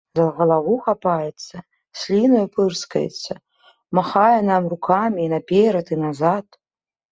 За галаву хапаецца, слінаю пырскаецца, махае нам рукамі і наперад і назад.